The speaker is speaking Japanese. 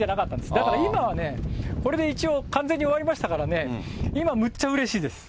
だから今はね、これで一応完全に終わりましたからね、今、むっちゃうれしいです。